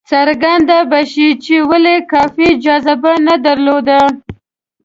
څرګنده به شي چې ولې کافي جاذبه نه درلوده.